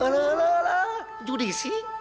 alah alah alah judi singh